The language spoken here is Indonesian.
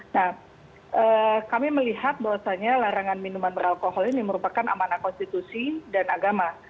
nah kami melihat bahwasannya larangan minuman beralkohol ini merupakan amanah konstitusi dan agama